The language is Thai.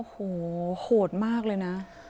หูดมากเลยนะ